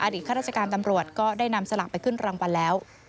ข้าราชการตำรวจก็ได้นำสลากไปขึ้นรางวัลแล้ว